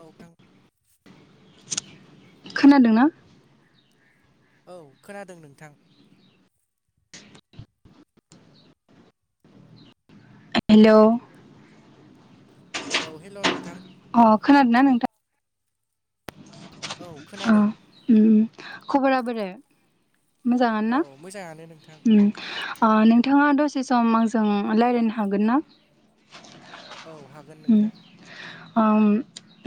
औ गां। खोनादोंना। औ खोनादों नोंथां। हेलौ औ हेलौ नोंथां। अह खोनादों ना नोंथां? औ खोनादों। ओम खबरा बोरै मोजांआनो औ ना मोजाङानो नोंथां ओम? ओ नोंथाङा दसे सम आंजों रायज्लायनो हागोन ना? औ हागोन उम नोंथां। ओम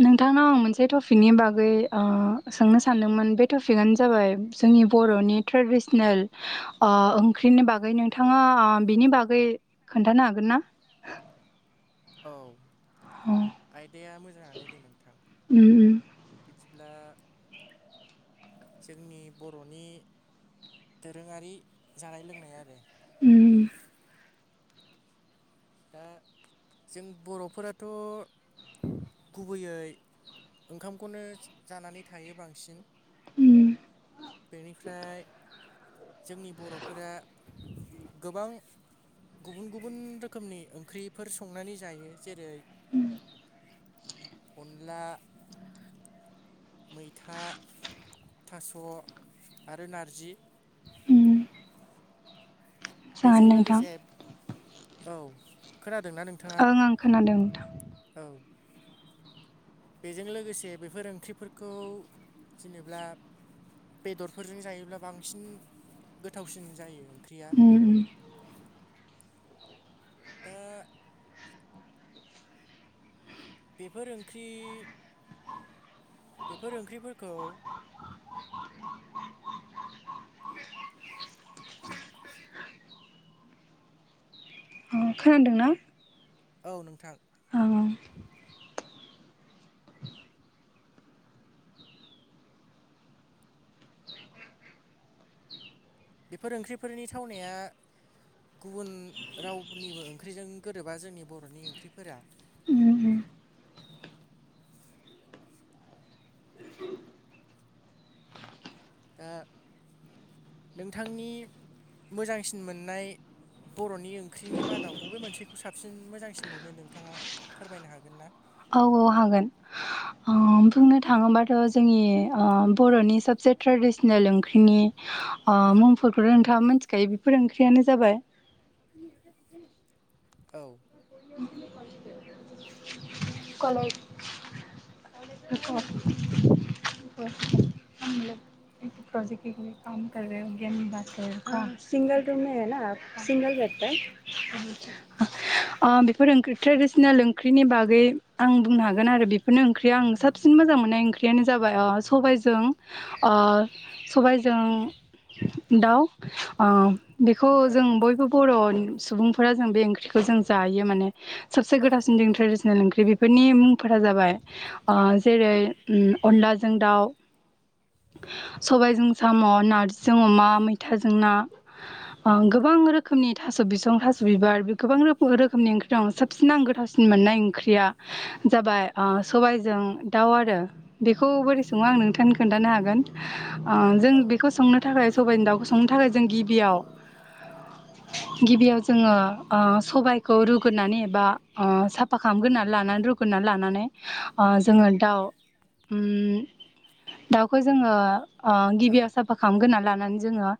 नोंथांनाव आं मोनसे टपिकनि बागै ओ सोंनो सानदोंमोन बे टपिकआनो जाबाय जोंनि बर'नि ट्रेडिसनेल ओ ओंख्रिनि बागै नोंथाङा ओ बिनि बागै खोन्थानो हागोन ना? औ अ आयदाया मोजाङानो दे नोंथां। उम बिदिब्ला जोंनि बर'नि दोरोङारि जानाय लोंनाय आरो। उम ओ जों बर'फोराथ' गुबैयै ओंखामखौनो जानानै थायो बांसिन। उम बेनिफ्राय जोंनि बर'फोरा गोबां गुबुन गुबुन रोखोम नि ओंख्रिफोर संनानै जायो जेरै अनला मैथा थास' आरो नारजि। उम जागोन बेजों नोंथां लोगोसे औ खोनादोंना नों थाङा ओं ओं खोनादों नोंथां औ बेजों लोगोसे बेफोर ओंख्रिफोरखौ जेनेब्ला बेदरफोरजों जायोब्ला बांसिन गोथावसिन जायो ओंख्रिया। [inaudible] दा बेफोर ओंख्रि बेफोर ओंख्रिफोरखौ खोनादों ना? औ नोंथां। आं बेफोर ओंख्रिफोरनि थावनाया गुबुन रावफोरनिबो ओंख्रिजों गोरोबा जोंनि बर'नि ओंख्रिफोरा। ओ नोंथांनि मोजांसिन मोननाय बर'नि ओंख्रिनि मादाव बबे मोनसेखौ साबसिन मोजांसिन मोनो नोंथाङा? फोरमायनो हागोन ना? औ औ हागोन। अ बुंनो थाङोबाथ' जोंनि ओ बर'नि सबसे ट्रेडिसनेल ओंख्रिनि ओ मुंफोरखौथ' नोंथाङा मोनथिखायो बेफोर ओंख्रियानो जाबाय जाबाय औ बि [inaudible] कलेज [unintelligible] [inaudible] [inaudible] प्रजेक्ट के लिए काम कर राए मिदियाम बात कर हा सिंगल रुम हेना सिंगल रेहता ओ बेफोर ओंख्रि ट्रेडिसनेल ओंख्रिनि बागै आं बुंनो हागोन आरो बे फोरनो ओंख्रिया आं साबसिन मोजां मोननाय ओंख्रियानो जाबाय ओ सबायजों ओ सबायजों दाउ ओ बेखौ औ जों बयबो बर' सुबुंफोरा जों बे ओंख्रिखौ जों जायो माने सबसे औ गोथावसिन जोंनि नंगौ ट्रेडिसनेल ओंख्रि बेफोरनि मुंफोरा जाबाय ओ जेरै उम अनलाजों दाउ। सबायजों साम' नारजिजों अमा मैथाजों ना। ओ गोबां रोखोमनि थास' बिसं, थास' बिबार, बे गोबां रोखोम रोखोमनि ओंख्रि दं साबसिन आं गोथावसिन सिन मोननाय ओंख्रिया। जाबाय ओ सबायजों दाउ आरो बेखौ बोरै सङो आं नोंथांनो खोन्थानो हागोन। ओ जों औ बेखौ संनो थाखाय। सबायजों दाउखौ संनो थाखाय। जों जों गिबियाव गिबियाव जोङो ओ। सबायखौ रुग्रोनानै एबा ओ साफा खालामग्रोनानै लानानै रुग्रोनानै लानानै ओ जोङो दाउ उम दाउखौ जोङो ओ औ गिबियाव साब फा खालामग्रोनानै लानानै जोङो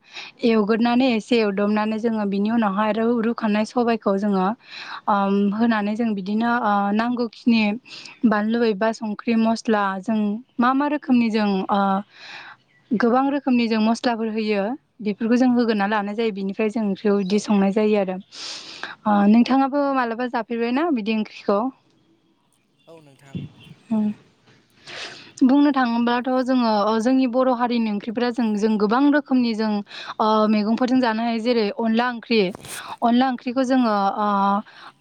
एवग्रोनानै एसे एवदबनानै जोङो बिनि उनावहाय रु रुखानाय सबाय खौ जोङो ओम होनानै जों बिदिनो ओ नांगौखिनि बानलु एबा संख्रि, मस्ला जों मा मा रोखोमनि जों ओ गोबां रोखोमनि जों मस्लाफोर होयो बेफोरखौ जों होगोरना लानाय जायो बिनिफ्राय जों दोआव औ इदि संनाय जायो आरो ओ नोंथाङाबो मालाबा जाफेरबायना बिदि ओंख्रिखौ औ नोंथां उम बुंनो थाङोब्लाथ' जोङो जोंनि बर' हारिनि ओंख्रिफोरा जों जों गोबां रोखोमनि जों ओ मैगंफोरजों जानो हायो जेरै अनला ओंख्रि अनला ओंख्रिखौ जोङो ओ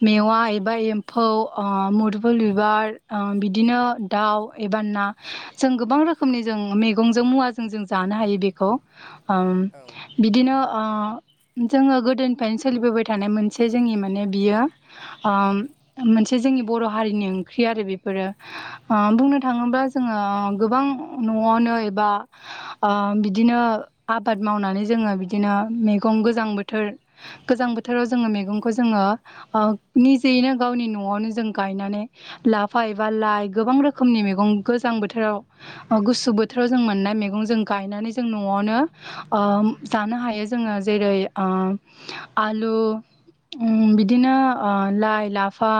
मेवा एबा एम्फौ ओ मुदुफुल बिबार ओ बिदिनो दाउ एबा ना जों गोबां रोखोमनि जों मे गंजों मुवाजों जों जानो हायो बेखौ ओम औ बिदिनो ओ जोङो गोदोनिफ्रायनो सोलिबोबाय थानाय मोनसे जोंनि माने बियो ओम मोनसे जोंनि बर' हारिनि ओंख्रि आरो बेफोरो। ओ बुंनो थाङोब्ला जोङो गोबां न'आवनो एबा ओ बिदिनो आबाद मावनानै जोङो बिदिनो मैगं गोजां बोथोर गोजां बोथोराव जोङो मैगंखौ जोङो ओ निजेैनो गावनि न'आवनो जों गायनानै लाफा एबा लाइ गोबां रोखोमनि मैगं गोजां बोथोराव ओ गुसु बोथोर बेखौनो जों मोननाय मैगं जों गायनानै जों न'आवनो ओ जानो हायो जोङो जेरै ओ आलु ओम बिदिनो ओ लाइ, लाफा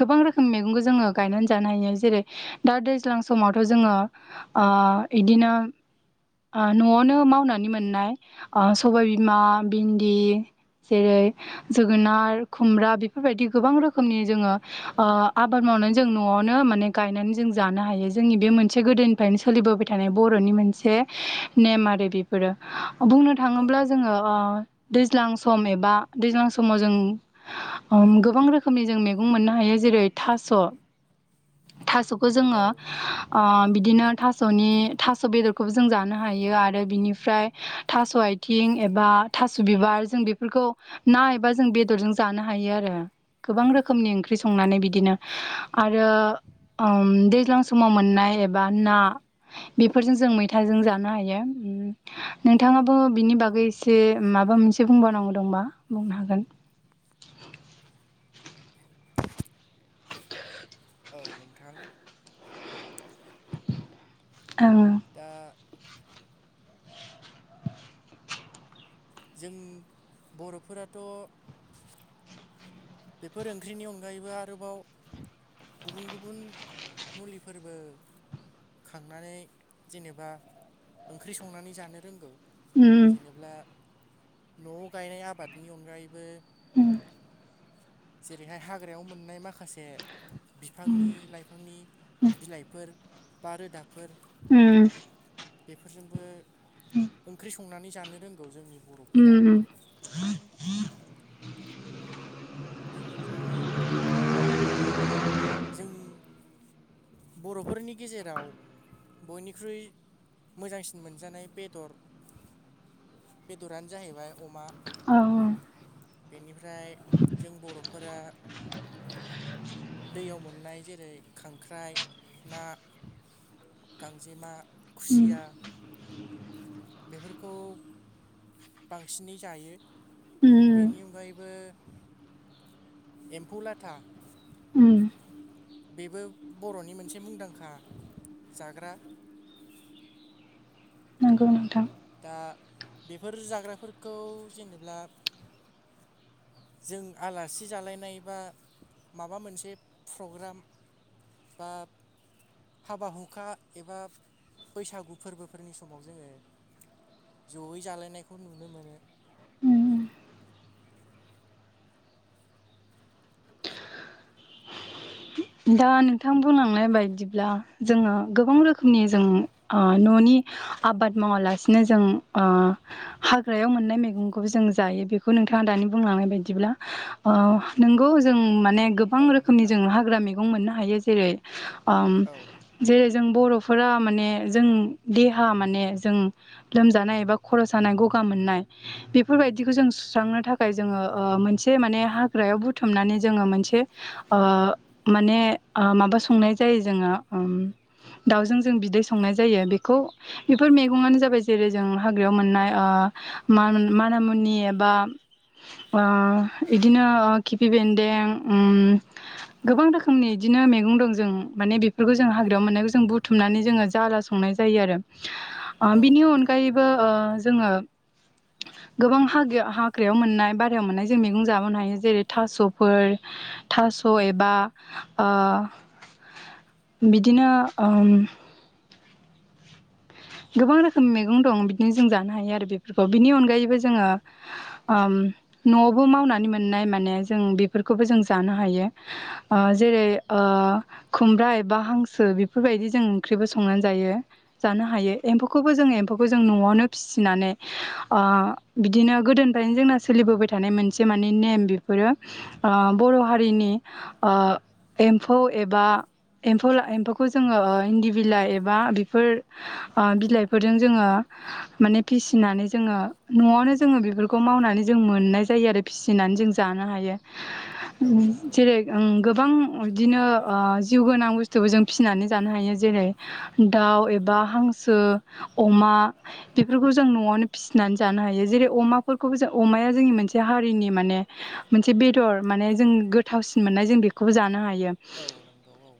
गोबां रोखोम मैगंखौ जोङो गायनानै जानो हायो जेरै दा दैज्लां समावथ' जोङो ओ इदिनो ओ न'आवनो मावनानै मोननाय ओ सबायबिमा भिन्दि जेरै जोगोनार खुमब्रा बेफोरबायदि गोबां रोखोमनि जोङो ओ आबाद मावनानै जों न'आवनो माने गायनानै जों जानो हायो जोंनि बे मोन से गोदोनिफ्रायनो सोलिबोबाय थानाय बर'नि मोनसे नेम आरो बे बेफोरो बुंनो औ थाङोब्ला जोङो ओ दैज्लां सम एबा दैज्लां समाव जों ओम गोबां रोखोमनि जों मैगं मोननो हायो जेरै थास' थास' खौ औ जोङो ओ बिदिनो थास'नि थास' बेदरखौबो जों जानो हायो आरो बिनिफ्राय थास' आइ थिं एबा थास' बिबार जों बेफोरखौ ना एबा जों बेदरजों जानो हायो आरो। गोबां रोखोमनि ओंख्रि संनानै बिदिनो आरो दैज्लां समाव मोननाय एबा ना बेफोरजों जों मैथाजों जानो हायो। नोंथाङाबो बिनि बागै एसे माबा मोनसे बुंबावनांगौ दंबा बुंनो हागोन। औ नोंथां। ओं। दा जों बर'फोराथ' बेफोर ओंख्रिनि अनगायैबो आरोबाव गुबुन गुबुन मुलिफोरबो खांनानै जेनेबा ओंख्रि संनानै जानो रोंगौ उम जेनेब्ला न'आव गायनाय आबादनि अनगायैबो उम। जेरैहाय हाग्रायाव मोननाय माखासे। बिफांनि लाइफांनि बिलाइफोर बा रोदाफोर उम बेफोरजोंबो ओंख्रि संनानै जानो रोंगौ जोंनि बर'फोरा उम उम बेनिफ्राय जों बर'फोरनि गेजेराव बयनिख्रुइ मोजांसिन मोनजानाय बेदर बेदरानो जाहैबाय अमा। औ बेनिफ्राय जों बर'फोरा दैयाव मोननाय जेरै खांख्राइ, ना, गांजेमा, उम खुसिया बेफोरखौ बांसिनै जायो। उम बेनि अनगायैबो एम्फौ लाथा उम बेबो बर'नि मोनसे मुंदांखा जाग्रा नंगौ नोंथां दा बेफोर जाग्राफोरखौ जेनेब्ला जों आलासि जालायनाय बा माबा मोनसे प्रग्राम बा हाबा हुखा एबा बैसागु फोरबोफोरनि समाव जोंङो जयै जालायनायखौ नुनो मोनो उम उम दा नोंथां बुंलांनाय बायदिब्ला जोङो गोबां रोखोमनि जों ओ न'नि आबाद मावालासिनो जों ओ हाग्रायाव मोननाय मैगंखौ जों जायो बेखौ नोंथाङा दानि बुंलांनाय बायदिब्ला ओ नोंगौ जों माने गोबां औ रोखोमनि नोंथां जोंङो हाग्रा मैगं मोननो हायो जेरै ओम औ जेरै जों बर'फोरा माने जों देहा माने जों लोमजानाय एबा खर' जानाय गगा मोननाय बेफोरबायदिखौ जों सुस्रांनो थाखाय जोङो ओ मोनसे माने हाग्रायाव बुथुमनानै जोङो मोनसे ओ माने ओ माबा संनाय जायो जोङो दाउजों जों बिदै संनाय जायो बेखौ बेफोर मैगं आनो जाबाय जेरै जों हाग्रायाव मोननाय ओ मा मानामुनि एबा ओ इदिनोओ खिपि बेन्दों उम गोबां रोखोमनि बिदिनो मैगं दं जों माने बेफोरखौ जों हाग्रायाव मोननायखौ जों बुथुमनानै जोंङो जाला संनाय जायो आरो ओ औ बिनि नोंथां अनगायैबो ओ जोङो गोबां हागायाव हाग्रायाव मोननाय बारायाव मोननाय जों मैगं जाबोनो हायो जेरै थास'फोर थास' एबा ओ बिदिनो उम गोबां रोखोमनि मैगं दं बिदिनो जों जानो हायो आरो बेफोरखौ बिनि अनगायैबो जोङो ओम न'आवबो मावनानै मोननाय माने जों बेफोरखौबो जों जानो हायो। ओ जेरै ओ खुमब्रा एबा हांसो बेफोरबायदि जों ओंख्रिबो संनानै जायो जानो हायो। एम्फौखौबो जोंङ एम्फौखौ जों न'आवनो फिसिनानै ओ बिदिनो गोदोनिफ्रायनो जोंना सोलिबोबाय थानाय मोनसे माने नेम बेफोरो ओ बर' हारिनि ओ एम्फौ एबा एम्फौ ला एम्फौखौ जोङो इन्दि बिलाइ एबा बेफोर ओ बिलाइफोरजों जोङो माने फिसिनानै जोङो न'आवनो औ जोङो बेफोरखौ खौ मावनानै जों मोननाय जायो आरो फिसिनानै जों जानो हायो। औ नंगौ जेरै ओं गोबां बिदिनो ओ जिउ गोनां बुस्थुबो जों फिसिनानै जानो हायो जेरै दाउ एबा हांसो अमा बेफोरखौ जों न'आवनो फिसि फिसिनानै जानो हायो जेरै अमाफोरखौबो जों अमाया जोंनि मोनसे हारिनि माने मोनसे बेदर माने जों गोथावसिन मोननाय जों बेखौबो जानो हायो औ नंगौ औ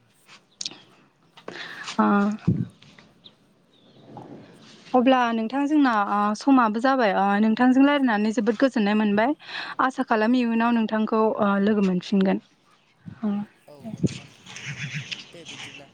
अ अब्ला नोंथां जोंना समाबो जाबाय नोंथांजों रायल्लायनानै जोबोद गोजोन गोजोननाय मोनबाय आसा खालामो इयुनाव नोंथांखौ लोगो मोनफिनगोन औ नोंथां दे बिदिब्ला